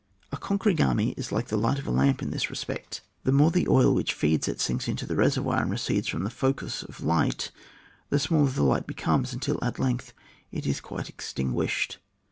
A conquering army is like the light of a lamp in this respect ; the more the oil which feeds it sinks in the reservoir and recedes from the focus of light, the smaller the light becomes, until at length it is quite extinguished.